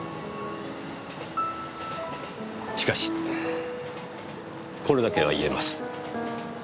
しかしこれだけは言えます。